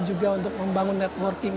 juga untuk membangun networking